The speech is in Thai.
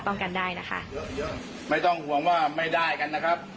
ป้องกันได้นะคะไม่ต้องห่วงว่าไม่ได้กันนะครับ